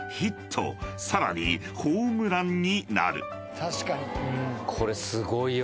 確かに。